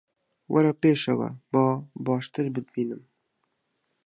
وەرە پێشەوە، با باشتر بتبینم